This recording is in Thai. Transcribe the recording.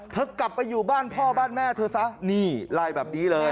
กลับไปอยู่บ้านพ่อบ้านแม่เธอซะนี่ไล่แบบนี้เลย